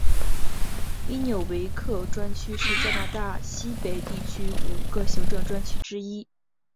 因纽维克专区是加拿大西北地区五个行政专区之一。